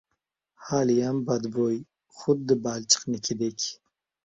Hidiyam badbo`y, xuddi balchiqnikidek